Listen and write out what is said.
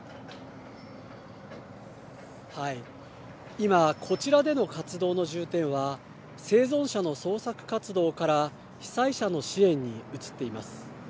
今こちらでの活動の重点は生存者の捜索活動から被災者の支援に移っています。